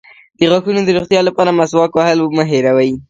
د غاښونو د روغتیا لپاره مسواک وهل مه هیروئ